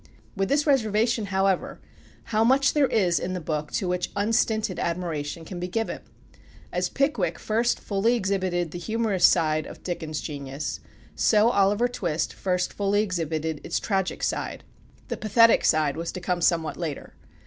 With this reservation, however, how much there is in the book to which unstinted admiration can be given! As "Pickwick" first fully exhibited the humorous side of Dickens' genius, so "Oliver Twist" first fully exhibited its tragic side; the pathetic side was to come somewhat later.